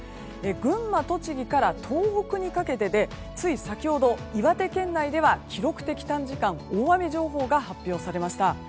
群馬、栃木から東北にかけてつい先ほど岩手県内では記録的短時間大雨情報が発表されました。